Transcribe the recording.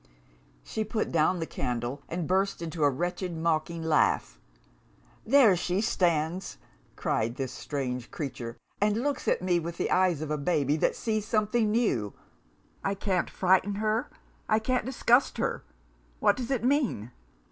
"She put down the candle, and burst into a wretched mocking laugh. 'There she stands,' cried this strange creature, 'and looks at me with the eyes of a baby that sees something new! I can't frighten her. I can't disgust her. What does it mean?